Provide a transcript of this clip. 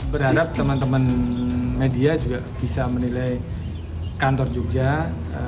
berharap teman teman media juga bisa menilai kantor jogja